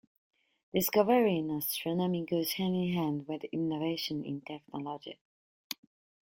Discovery in astronomy goes hand in hand with innovation in technology.